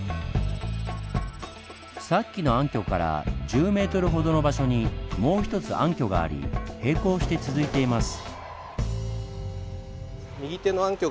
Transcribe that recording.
さっきの暗渠から１０ｍほどの場所にもう一つ暗渠があり並行して続いています。